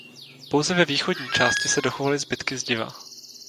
Pouze ve východní části se dochovaly zbytky zdiva.